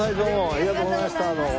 ありがとうございましたどうも。